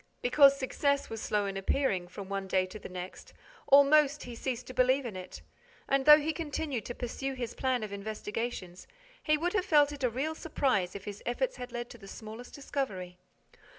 Because success was slow in appearing, from one day to the next, almost, he ceased to believe in it; and, though he continued to pursue his plan of investigations, he would have felt a real surprise if his efforts had led to the smallest discovery.